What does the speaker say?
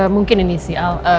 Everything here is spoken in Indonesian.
mungkin ini sih al